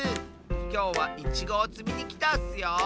きょうはイチゴをつみにきたッスよ！